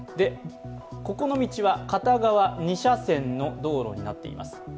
ここの道は片側２車線の道路になっています。